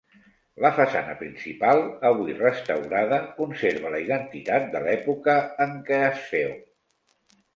La façana principal, avui restaurada, conserva la identitat de l'època en què es féu.